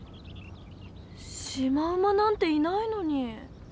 シマウマなんていないのに。